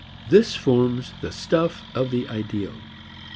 This forms the stuff of the ideal.